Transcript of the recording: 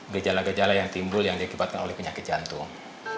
gejala gejala yang timbul yang diakibatkan oleh penyakit jantung